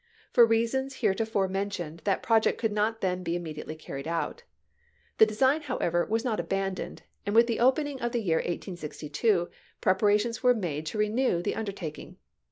For reasons heretofore mentioned, that project could not then be imme diately earned out. The design, however, was not abandoned, and with the opening of the year 1862 j)i eparations were made to renew the under taking.